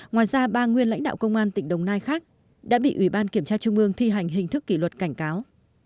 ngoài ra ba nguyên lãnh đạo công an tỉnh đồng nai khác đã bị ủy ban kiểm tra trung ương thi hành hình thức kỷ luật cảnh cáo